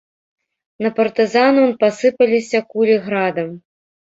На партызанаў пасыпаліся кулі градам.